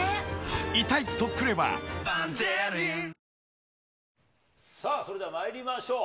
こちら、さあ、それではまいりましょう。